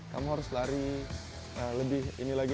kamu harus lari lebih ini lagi